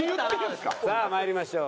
さあまいりましょう。